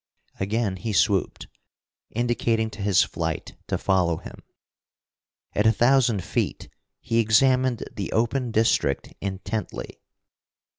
Again he swooped, indicating to his flight to follow him. At a thousand feet he examined the open district intently.